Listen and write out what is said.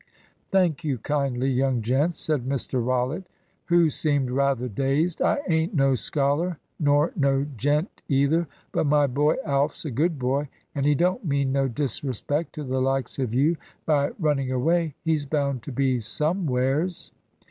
"Thank you kindly, young gents," said Mr Rollitt, who seemed rather dazed. "I ain't no scholar, nor no gent either. But my boy Alf's a good boy, and he don't mean no disrespect to the likes of you by running away. He's bound to be somewheres."